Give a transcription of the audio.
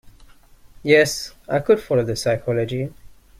Yes, I could follow the psychology.